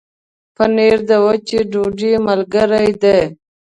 پنېر د وچې ډوډۍ ملګری دی.